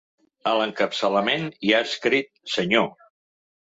A l’encapçalament hi ha escrit: senyor